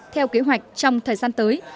theo kế hoạch trong thời gian tới